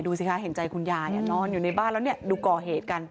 ดูสิคะเห็นใจคุณยายนอนอยู่ในบ้านแล้วดูก่อเหตุกัน